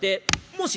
「もし」。